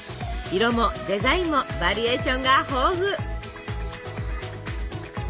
色もデザインもバリエーションが豊富！